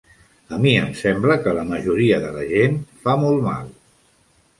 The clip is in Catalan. A mi em sembla que la majoria de la gent fa molt mal.